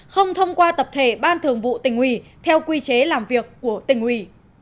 không thông qua tập thể ban thường vụ tình hủy theo quy chế làm việc của tình hủy